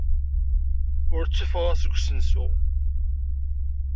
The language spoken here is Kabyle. Ur tteffeɣ seg usensu.